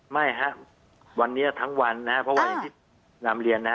ไม่ฮะวันนี้ทั้งวันนะเพราะว่าอย่างที่นำเรียนนะฮะ